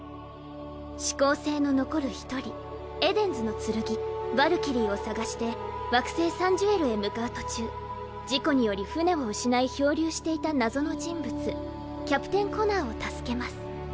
四煌星の残る１人エデンズの剣・ヴァルキリーを捜して惑星サン・ジュエルへ向かう途中事故により船を失い漂流していた謎の人物キャプテン・コナーを助けます。